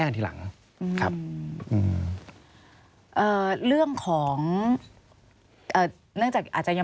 สวัสดีค่ะที่จอมฝันครับ